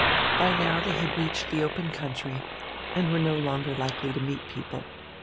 By now they had reached the open country, and were no longer likely to meet people.